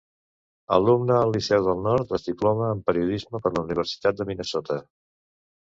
Alumne al liceu del Nord, es diploma en periodisme per la universitat de Minnesota.